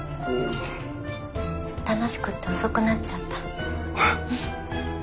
楽しくて遅くなっちゃった。